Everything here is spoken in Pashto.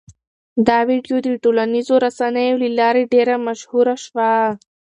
دا ویډیو د ټولنیزو رسنیو له لارې ډېره مشهوره شوه.